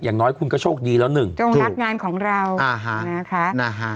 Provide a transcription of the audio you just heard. อย่างน้อยคุณก็โชคดีแล้วหนึ่งจงรักงานของเราอ่าฮะนะคะ